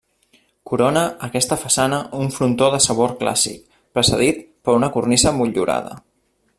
Corona aquesta façana un frontó de sabor clàssic, precedit per una cornisa motllurada.